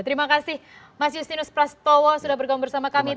terima kasih mas yustinus prastowo sudah berkomunikasi bersama kami tadi